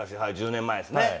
１０年前ですね。